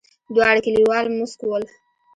دواړه کليوال موسک ول.